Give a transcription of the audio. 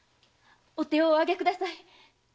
お手をお挙げください。